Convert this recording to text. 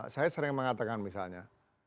saya sering mengatakan misalnya